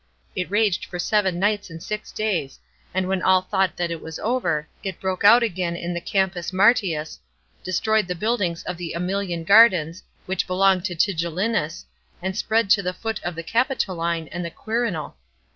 It raged for seven nights and six days, and when ;ill thought that it was over, it broke out again in the Campus Ma1 tins, destroyed the buildings of the ^Emilian Gardens, which belonged to Tigellinus, and spread to the foot of the Capitoline and the Quirinal.